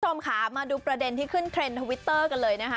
คุณผู้ชมค่ะมาดูประเด็นที่ขึ้นเทรนด์ทวิตเตอร์กันเลยนะคะ